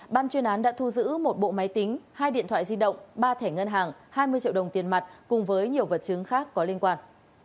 ban chuyên án đã thu giữ một bộ máy tính hai điện thoại di động ba thẻ ngân hàng hai mươi triệu đồng tiền mặt cùng với nhiều vật chứng khác có liên quan